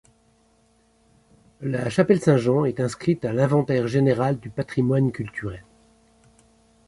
La chapelle Saint-Jean est inscrite à l'Inventaire général du patrimoine culturel.